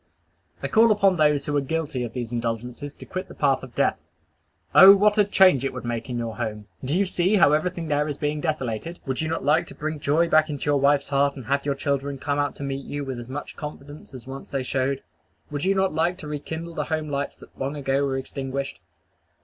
I call upon those who are guilty of these indulgences to quit the path of death. O what a change it would make in your home! Do you see how everything there is being desolated! Would you not like to bring back joy to your wife's heart, and have your children come out to meet you with as much confidence as once they showed? Would you not like to rekindle the home lights that long ago were extinguished?